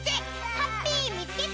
ハッピーみつけた！